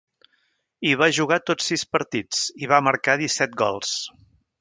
Hi va jugar tots sis partits, i va marcar disset gols.